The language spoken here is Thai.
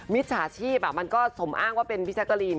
มิตรสหาชีพมันก็สมอ้างว่าเป็นพี่แจ็คเกอรีน